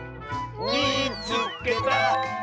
「みいつけた！」。